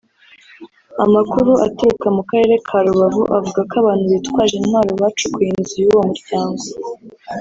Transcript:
Amakuru aturuka mu Karere ka Rubavu avuga ko abantu bitwaje intwaro bacukuye inzu y’uwo muryango